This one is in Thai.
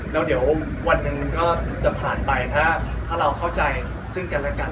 แล้วเดี๋ยววันหนึ่งมันก็จะผ่านไปถ้าเราเข้าใจซึ่งกันและกัน